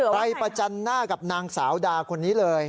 ประจันหน้ากับนางสาวดาคนนี้เลย